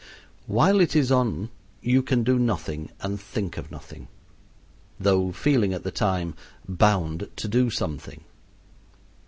While it is on you can do nothing and think of nothing, though feeling at the time bound to do something.